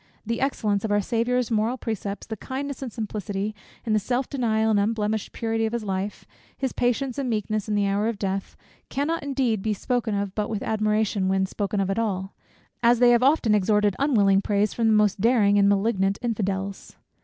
The excellence of our Saviour's moral precepts, the kindness and simplicity, and self denial and unblemished purity of his life, his patience and meekness in the hour of death, cannot indeed be spoken of but with admiration, when spoken of at all, as they have often extorted unwilling praise from the most daring and malignant infidels.